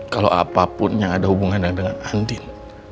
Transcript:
kalau apapun yang ada hubungannya dengan andin